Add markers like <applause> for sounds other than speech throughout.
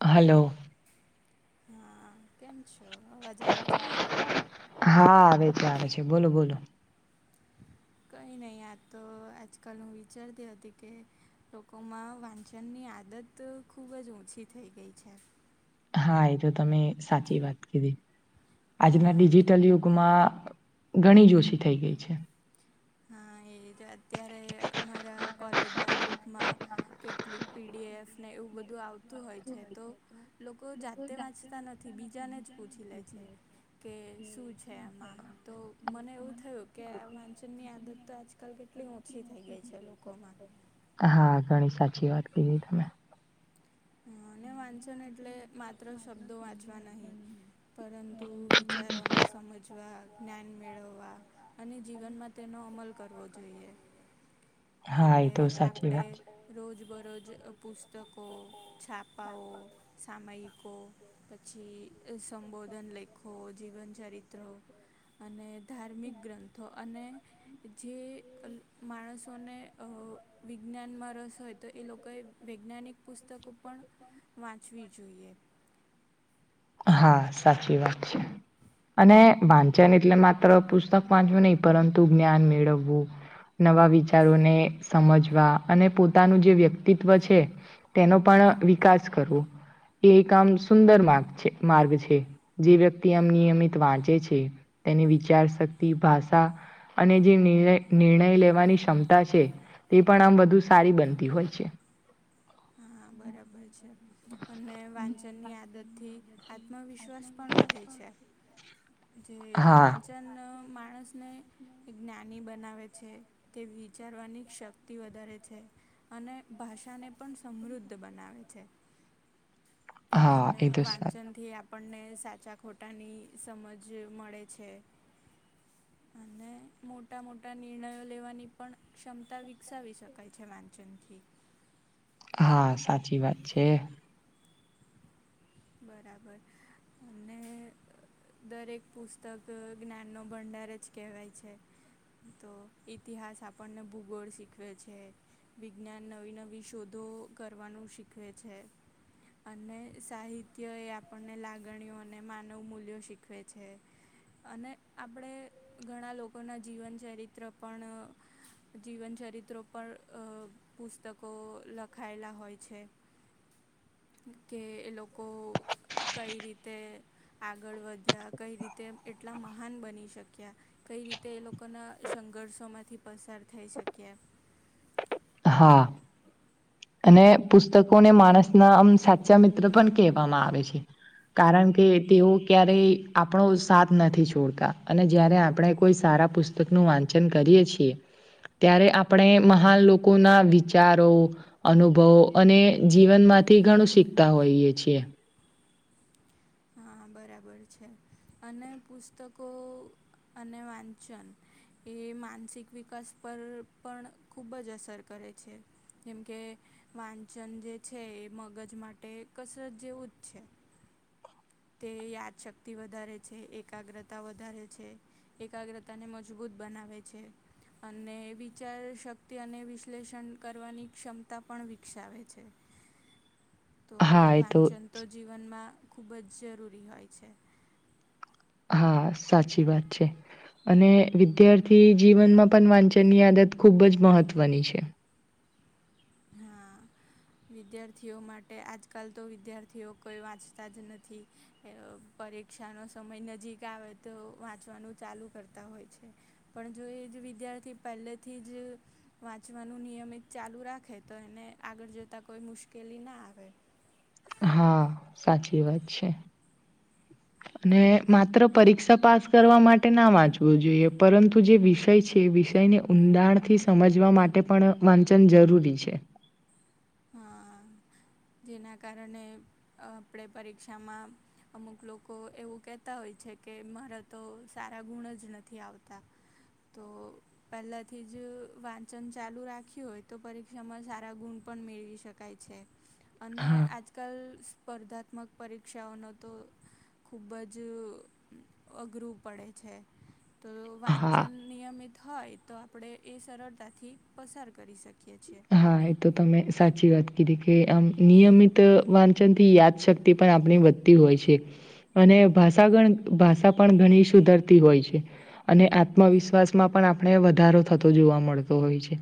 હાલો. હા કેમ છો અવાજ આવે છે મારો. હા આવે છે આવે છે બોલો બોલો. કંઈ નહીં આ તો આજ કલ હું વિચારતી હતી કે લોકોમાં વાંચન ની આદત ખુબ જ ઓછી થઈ ગઈ છે હા એ તો તમે સાચી વાત કીધી હા આજના એટ ડિજિટલ યુગમાં ઘણી જ ઓછી થઈ ગઈ છે. હા એજ અત્યારે મારા કોલેજ ના ગ્રુપમાં કેટલીક પીડીએફ ને એવું બધું આવતું તું હોય છે તો લોકો જાતે વાંચતા નથી બીજાને જ પૂછી લે છે. કે શું છે આમાં તો મને એવું થયું કે આ વાંચ ની આદત તો આજકાલ કેટલી ઓછી થઈ ગઈ છે લોકોમાં. હા ઘણી સાચી વાત કીધી તમે. હા અને વાંચન એટલે માત્ર શબ્દો વાંચવા નહિ પરંતુ વિચારોને સમજવા જ્ઞાન મેળવવા અને જીવનમાં તેનો અમલ કરવો જોઈએ. હા એ તો સાચી વાત છે. રોજ બરોજ પુસ્તકો છાપાઓ સામયિકો પછી સંબોધન લેખો જીવનચરિત્ર અને ધાર્મિક ગ્રંથો અને જે માણસોને અ વિજ્ઞાનમાં રસ હોય તો એ લોકોએ વૈજ્ઞાનિક પુસ્તકો પણ વાંચવી જોઈએ. હા સાચી વાત છે. અને વાંચન એટલે માત્ર પુસ્તક વાંચવું નહી પરંતુ જ્ઞાન મેળવવું નવા વિચારોને સમજવા અને પોતાનું જે વ્યક્તિત્વ છે. તેનો પણ વિકાસ કરવો એ એક આમ સુંદર માર્ગ છે માર્ગ છે જે વ્યક્તિ આમ નિયમિત વાંચે છે તેની વિચાર શક્તિ ભાષા અને જે નિણય નિર્ણય લેવાની ક્ષમતા છે. તે પણ આમ વધુ સારી બનતી હોય છે. હા બરાબર છે અને વાંચનની આદતથી આ આત્મવિશ્વાસ પણ વધે છે જે હા વાંચન માણસને જ્ઞાની બનાવે છે તે વિચારવાની શક્તિ વધારે છે અને ભાષા ને પણ સમૃદ્ધ બનાવે છે હા અને એ તો વાચ સા નથી આપણને સાચા ખોટાની સમજ મળે છે અને મોટા મોટા નિર્ણયો લેવાની પણ ક્ષમતા વિકસાવી શકાય છે વાંચનથી હા સાચી વાત છે. બરાબર અને દરેક પુસ્તક જ્ઞાનનો ભંડાર જ કહેવાય છે. તો ઈતિહાસ આપણને ભૂગોળ શીખવે છે. વિજ્ઞાન નવી નવી શોધો કરવાનું શીખવે છે. અને સાહિત્ય કે એ આપણને લાગણીઓ અને માનવ મૂલ્યો શીખવે છે. અને આપણે ઘણા લોકોના જીવન ચરિત્ર પણ જીવનચરિત્રો પણ અ પુસ્તકો લખાયેલા હોય છે. કે એ લોકો કઈ રીતે આગળ વધ્યા કઈ રીતે એટલા મહાન બની શક્યા. કઈ રીતે એ લોકો ના સંઘર્ષો માંથી પસાર થઈ શકયા. હા. અને પુસ્તકોને માણસના આમ સાચા મિત્ર પણ કહેવામાં આવે છે. કારણ કે તેઓ ક્યારેય આપણો સાથ નથી છોડતા અને જય્યારે આપણે કોઈ સારા પુસ્ત પુસ્તક નું વાંચન કરીએ છીએ ત્યારે આપણે મહાન લોકો ના વિચારો અનુભવો અને જીવનમાંથી ઘણું શીખતા હોઈએ છીએ હા બરાબર છે અને પુસ્તકો અને વાંચન એ માનસિક વિકાસ પર પણ ખુબ જ અસર કરે છે. જેમ કે વાંચન જે છે એ મગજ માટે કસરત જેવું જ છે. તે યાદશક્તિ વધારે છે એકાગ્રતા વધારે છે. એકાગ્રતા ને મજબૂત બનાવે છે. અને વિચાર શક્તિ અને વિશ્લેષણ કરવાની ક્ષમતા પણ વિકસાવે છે. તો હા એ વાંચન તો જીવનમાં ખુબ જ જરૂરી હોય છે. હા સાચી વાત છે. અને વિદ્યાર્થી જીવનમાં પણ વાંચનની આદત ખૂબ જ મહત્ત્વની છે. હા વિદ્યાર્થીઓ માટે આજકાલ તો વિદ્યાર્થીઓ કોઈ વાંચતા જ નથી પરીક્ષા નો સમય નજીક આવે તો વાંચવાનું ચાલુ કરતા હોય છે. પણ જો એ જ વિદ્યાર્થી પહેલે થી જ વાંચવાનું નિયમિત ચાલુ રાખે તો એને આગળ જતા કોઈ મુશ્કેલી ના આવે હા સાચી વાત છે. <unintelligible> અને માત્ર પરીક્ષા પાસ કરવા માટે ના વાંચવું જોઈએ પરંતુ જે વિષય છે એ વિષયને ઊંડાણથી સમજવા માટે પણ વાંચન જરૂરી છે. હા જેના કારણે અ આપણે પરીક્ષામાં અમુક લોકો એવું કેહેતા હોય છે કે મારા તો સારા ગુણ જ નથી આવતા તો પહેલાથી જ વાંચન ચાલુ રાખ્યું હોય તો પરીક્ષામાં સારા ગુણ પણ મેળવી શકાય છે. અને હા આજકાલ સ્પર્ધાત્મક પરીક્ષાઓનો તો ખુબ જ અઘરું પડે છે તો હા વાંચન નિયમિત હોય તો આપણે એ સરળતાથી પસાર કરી શકીએ છીએ હા એ તો તમે સાચી વાત કીધી કે આમ નિયમિત વાંચન થી યાદશક્તિ પણ આપણી વધ તી હોય અને ભાષા ગણ ભાષા પણ ઘણી સુધરતી હોય છે. અને આત્મવિશ્વાસમાં પણ આપણે વધારો થતો જોવા મળતો હોય છે.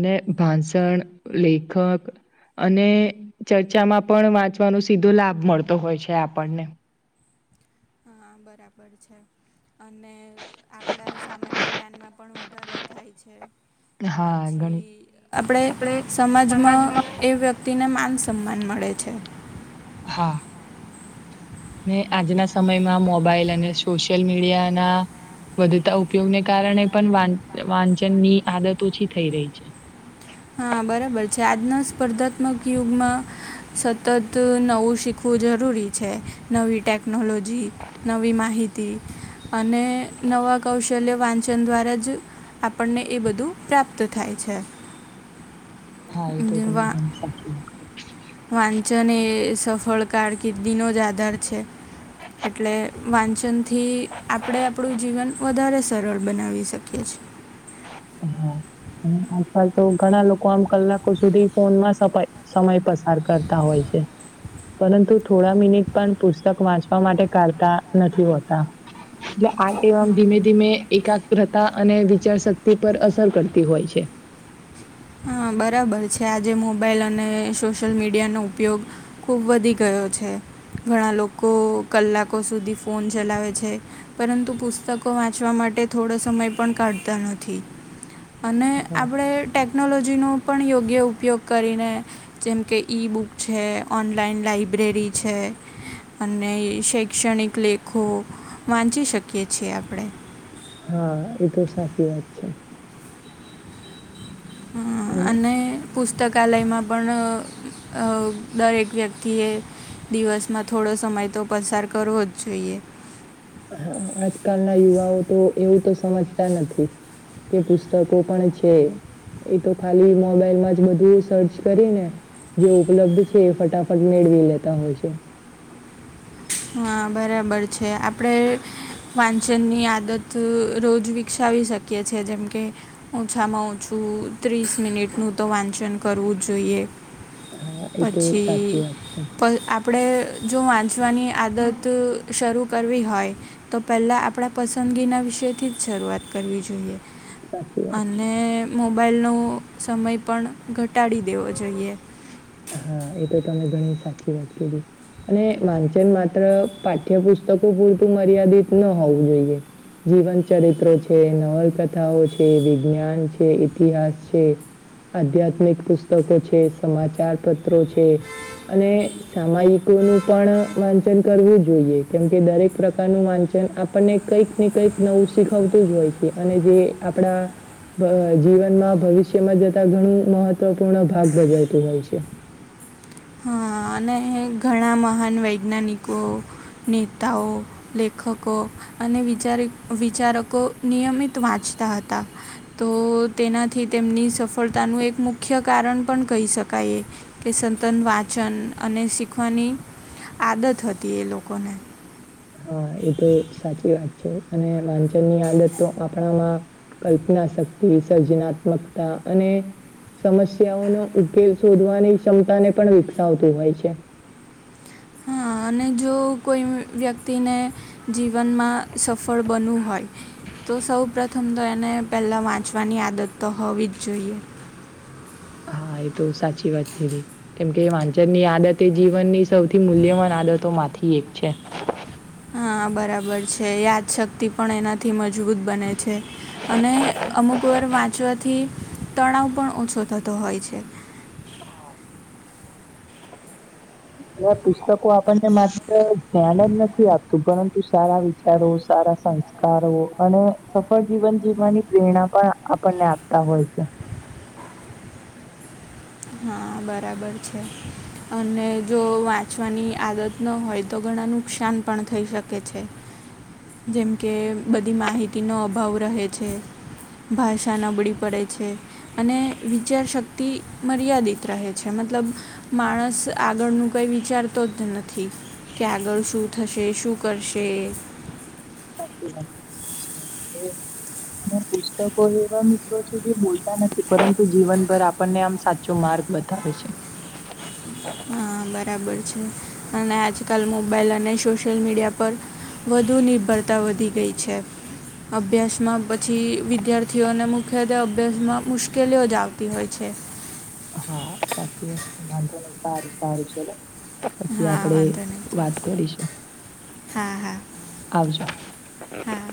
અને ભાષણ લેખક અને ચર્ચામાં પણ વાંચવાનો સીધો લાભ મળતો હોય છે આપણને હા બરાબર છે. અને આપણા સામાન્ય જ્ઞાનમાં પણ વધારો થાય છે. હા, પછી ઘણી આપડે સમાજમાં એ વ્યક્તિ તી ને માન સન્માન મળે છે. હા મેં આજના સમયમાં મોબાઈલ અને સોશિયલ મીડિયાના વધતા ઉપયોગને કારણે પણ વાંચન ની આદત ઓછી થઈ રહી છે. હા બરાબર છે આજના સ્પર્ધાત્મક યુગમાં સતત નવું શીખવું જરૂરી છે નવી ટેકનોલો જી નવી માહિતી અને નવા કૌશલ્ય વાંચન દ્વારા જ આપણને એ બધું પ્રાપ્ત થાય છે. હા એ તો તમે વા ઘણી સાચી વાત કરી વાંચન એ સફળ કારકિર્દી નો આધાર છે. એટલે વાંચનથી આપણે આપણું જીવન વધારે સરળ બનાવી શકીએ છીએ હા આજકાલ તો ઘણા લોકો આમ કલાકો સુધી ફોન માં સપાય સમય પસાર કરતા હોય છે. પરંતુ થોડા મિનિટ પણ પુસ્તક વાંચવા માટે કાઢતા નથી હોતા જો આમ ધીમે-ધીમે એકાગ્ર હતા અને વિચાર શક્ તિ પર અસર કરતી હોય છે. હ બરાબર છે આજે મોબાઈલ અને સોશિયલ મીડિયાનો ઉપયોગ, ખૂબ વધી ગયો છે ઘણા લોકો કલાકો સુધી ફોન ચલાવે છે. પરંતુ પુસ્તકો વાંચવા માટે થોડો સમય પણ કાઢતા નથી. અને હા આપણે ટેકનોલોજીનો પણ યોગ્ય ઉપયોગ કરીને, જેમ કે ઈ બુક છે, ઓનલાઈન લાઇબ્રેરી છે. અને શૈક્ષણિક લેખો વાંચી શકીએ છીએ આપણે. હા એ તો સાચી વાત છે. અને, પુસ્તકાલયમાં પણ દરેક વ્યક્તિએ, દિવસમાં થોડો સમય તો પસાર કરવો જ જોઈએ. હા આજકાલના યુવાઓ તો એવું તો સમજતા નથી. કે પુસ્તકો પણ છે. એ તો ખાલી મોબાઈલ માં જ બધું સર્ચ કરી ને, જે ઉપલબ્ધ છે એ ફટાફટ મેળવી લેતા હોય છે. હા બરાબર છે આપણે વાંચનની આદત રોજ વિકસાવી શકી કીએ છે જેમ કે, ઓછામાં ઓછું ત્રીસ મિનિટનું તો વાંચન કરવું જ જોઈએ. હા એ તો સાચી પછી વાત છે આપડે જો વાંચવાની, આદત શરૂ કરવી હોય, તો પહેલા આપણા પસંદગીના વિશે થી જ શરૂઆત કરવી જોઈએ. સાચી વાત છે અને, મોબાઈલનો સમય પણ ઘટાડી દેવો જોઈએ. હા એ તો તમે ઘણી સાચી વાત કીધી. અને વાંચન માત્ર પાઠ્યપુસ્તકો પૂરતું મર્યાદિત ન હોવું જોઈએ. જીવન ચરિત્રો છે, નવલકથાઓ છે, વિજ્ઞાન છે, ઇતિહાસ છે. આધ્યાત્મિક પુસ્તકો છે સમાચાર પત્રો છે અને, સામાયિકો નું પણ વાંચન કરવું જોઈએ કેમકે દરેક પ્રકારનું વાંચન અ આપણને કંઈક ને કંઈક નવું શીખવતું જ હોય છે અને જે આપણા, જીવનમાં ભવિષ્યમાં જતા ઘણું મહત્વપૂર્ણ ભાગ ભજવતું હોય છે. અને ઘણા મહાન વૈજ્ઞાનિકો, નેતાઓ, લેખકો અને વિચારી વિચારકો નિયમિત વાંચતા હતા. તો તેનાથી તેમની સફળતાનું એક મુખ્ય કારણ પણ કહી શકાય. કે સંતન વાંચન અને શીખવાની આદત હતી એ લોકોને હા એ તો સાચી વાત છે અને વાંચન ની આદત તો આપણામાં કલ્પના શક્તિ સર્જનાત્મકતા અને સમસ્યાઓનો ઉકેલ શોધવાની ક્ષમતાને પણ વિકસાવતું હોય છે હા અને જો કોઈ વ્યક્તિને જીવનમાં સફળ બનવું હોય તો સૌ પ્રથમ તો એને પેલા વાંચવાની આદત તો હોવી જ જોઈએ હા એ તો સાચી વાત કીધી કેમ કે વાંચન ની આદત એ જીવનની સૌથી મૂલ્યમાન આદતો માંથી એક છે હા બરાબર છે યાદશક્તિ પણ એનાથી મજબૂત બને છે અને અમુક વાર વાંચવાથી તણાવ પણ ઓછો થતો હોય છે હવે પુસ્તકો આપણને માત્ર ધ્યાન જ નથી આપતું પરંતુ સારા વિચારો સારા સંસ્કાર કારો અને સફળ જીવન જીવવાની પ્રેરણા પણ આપણને આપતા હોય છે હા બરાબર છે અને જો વાંચવાની આદત ન હોય તો ઘણા નુકસાન પણ થઈ શકે છે જેમ કે બધી માહિતીનો અભાવ રહે છે ભાષા નબળી પડે છે અને વિચાર શક્તિ મર્યાદિત રહે છે મતલબ માણસ આગળનું કઈ વિચારતો જ નથી કે આગળ શું થશે શું કરશે સાચી વાત સાચી વાત છે અને પછી કોઈ એવા મિત્રો છે જે બોલતા નથી પરંતુ જીવનભર આપણને આમ સાચો માર્ગ બતાવે છે હ બરાબર છે અને આજકાલ મોબાઈલ અને સોશિયલ મીડિયા પર વધુ નિર્ભરતા વધી ગઈ છે અભ્યાસમાં પછી વિદ્યાર્થીઓને મુખ્યત્વે અભ્યાસમાં મુશ્કેલીઓ જ આવતી હોય છે હા સાચી વાત છે વાંધો નઈ સારું સારું ચલો પછી હા આપડે વાંધો નહીં વાત ચાલો કરીશું હા હા આવજો હા